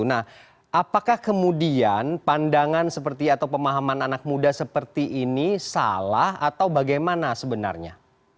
nah apakah kemudian pandangan seperti atau pemahaman anak muda seperti ini salah atau bagaimana sebenarnya